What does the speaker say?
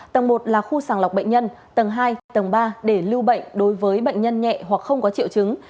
tầng một là khu sàng lọc bệnh nhân tầng hai tầng ba để lưu bệnh đối với bệnh nhân nhẹ hoặc không có triệu chứng